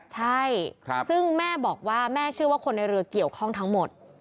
ใช่ซึ่งแม่บอกว่าแม่เชื่อว่าคนในเรือเกี่ยวข้องทั้งหมด